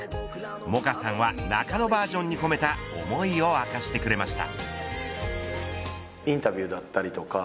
ＭＯＣＡさんは中野バージョンに込めた思いを明かしてくれました。